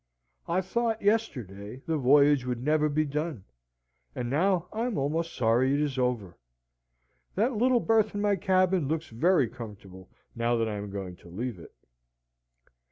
I thought, yesterday, the voyage would never be done, and now I am almost sorry it is over. That little berth in my cabin looks very comfortable now I am going to leave it." Mr.